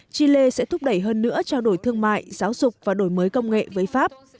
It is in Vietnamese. chile sẽ thúc đẩy hơn nữa trao đổi thương mại giáo dục và đổi mới công nghệ với pháp